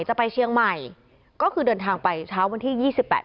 จะไปเชียงใหม่ก็คือเดินทางไปเช้าวันที่ยี่สิบแปด